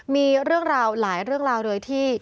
มีเรื่องราวหลายเรื่องราวโดยที่